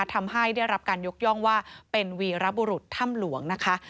ทำให้ได้รับการยกย่องว่าเป็นวีรบุรุษถ้ำหลวงนะคะ